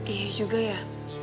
iya juga ya